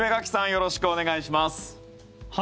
よろしくお願いします。